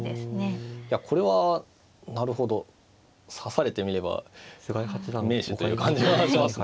これはなるほど指されてみれば名手という感じはしますね。